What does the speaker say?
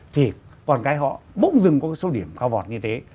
thì con cái họ bỗng dừng có số điểm cao vọt như thế